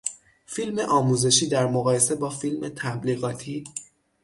فیلم آموزشی در مقایسه با فیلم تبلیغاتی